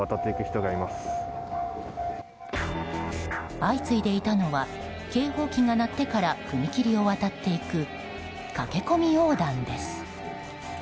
相次いでいたのは警報機が鳴ってから踏切を渡っていく駆け込み横断です。